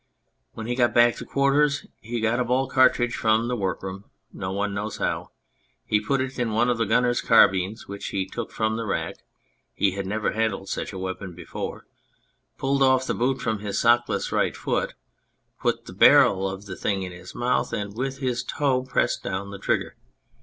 When he got back to quarters he got a ball cartridge from the workroom no one knows how he put it in one of the gunner's carbines, which he took from the rack he had never handled such a weapon before pulled off the boot from his sockless right foot, put the barrel of the thing in his mouth, and with his toe pressed down the trigger.